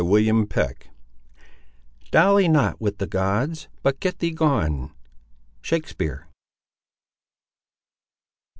CHAPTER XXI Dally not with the gods, but get thee gone. —Shakespeare.